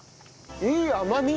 いい甘み！